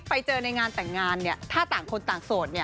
ไปเจอในงานแต่งงานเนี่ยถ้าต่างคนต่างโสดเนี่ย